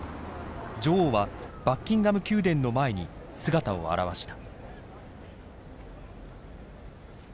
女王はバッキンガム宮殿の前に姿を現した。